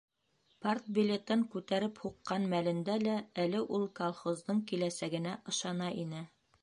Партбилетын күтәреп һуҡҡан мәлендә лә әле ул колхоздың киләсәгенә ышана ине.